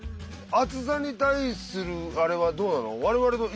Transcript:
暑さに対するあれはどうなの？